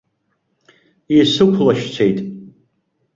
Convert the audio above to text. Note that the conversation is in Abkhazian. Исықәлашьцеит.